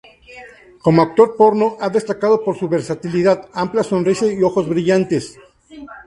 Como actor porno ha destacado por su versatilidad, amplia sonrisa y ojos brillantes.